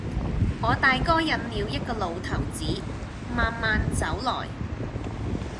我大哥引了一個老頭子，慢慢走來；